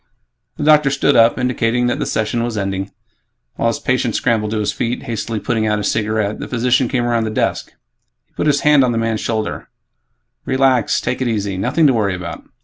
The doctor stood up, indicating that the session was ending. While his patient scrambled to his feet, hastily putting out his cigarette, the physician came around the desk. He put his hand on the man's shoulder, "Relax, take it easy nothing to worry about.